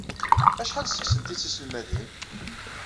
Acḥal seg-sent ay d tiselmadin?